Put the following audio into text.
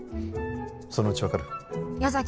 そのうち分かる矢崎